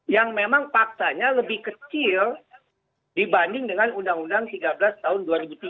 yang memang faktanya lebih kecil dibanding dengan undang undang tiga belas tahun dua ribu tiga